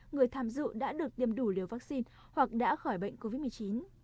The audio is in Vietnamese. một trăm linh người tham dự đã được tiêm đủ liều vaccine hoặc đã khỏi bệnh covid một mươi chín